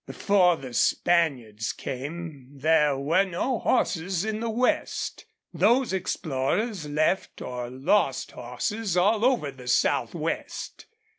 Before the Spaniards came there were no horses in the West. Those explorers left or lost horses all over the southwest.